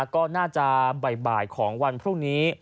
ก็น่าจะบ่ายของวันพรุ่งนี้